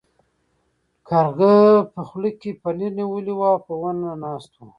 کارغه په خوله کې پنیر نیولی و او په ونه ناست و.